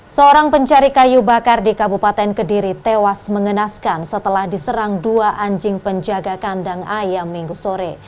seorang pencari kayu bakar di kabupaten kediri tewas mengenaskan setelah diserang dua anjing penjaga kandang ayam minggu sore